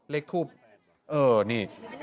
เลขทูปเออนี่